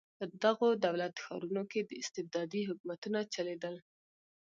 په دغو دولت ښارونو کې استبدادي حکومتونه چلېدل.